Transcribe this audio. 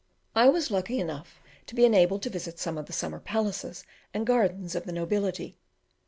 I was lucky enough to be enabled to visit some of the summer palaces and gardens of the nobility.